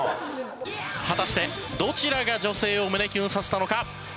果たしてどちらが女性を胸キュンさせたのか？